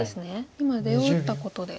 今出を打ったことで。